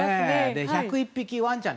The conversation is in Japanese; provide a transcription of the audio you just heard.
「１０１匹わんちゃん」